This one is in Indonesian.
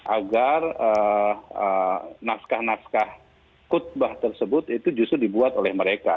agar naskah naskah khutbah tersebut itu justru dibuat oleh mereka